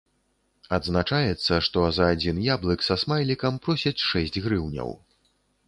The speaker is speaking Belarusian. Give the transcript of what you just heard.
Адзначаецца, што за адзін яблык са смайлікам просяць шэсць грыўняў.